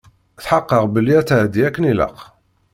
Tḥeqqeɣ belli ad tεeddi akken ilaq.